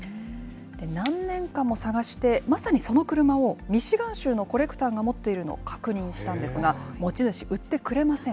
何年間も探して、まさにその車をミシガン州のコレクターが持っているのを確認したんですが、持ち主、売ってくれません。